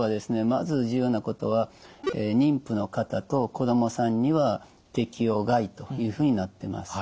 まず重要なことは妊婦の方と子どもさんには適用外というふうになってます。